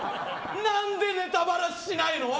何でネタばらししないの？